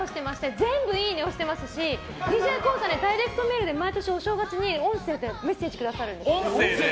全部、いいねしてますしＤＪＫＯＯさんダイレクトメールで毎年お正月に音声でメッセージくださるんです。